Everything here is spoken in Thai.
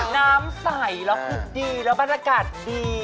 น้ำใสและดูดีและบรรยากาศดี